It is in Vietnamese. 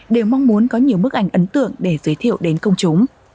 đều mong muốn có nhiều bức ảnh ấn tượng để giới thiệu đến công chúng